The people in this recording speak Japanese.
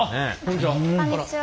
こんにちは。